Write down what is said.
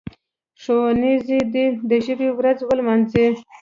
ښوونځي دي د ژبي ورځ ولمانځي.